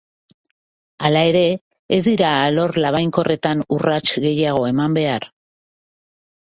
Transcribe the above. Hala ere, ez dira alor labainkorretan urrats gehiago eman behar.